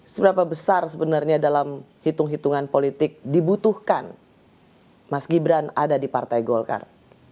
seberapa besar sebenarnya dalam hitung hitungan politik dibutuhkan mas gibran ada di partai golkar